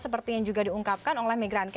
seperti yang juga diungkapkan